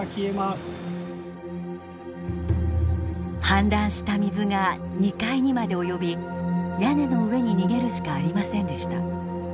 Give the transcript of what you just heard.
氾濫した水が２階にまで及び屋根の上に逃げるしかありませんでした。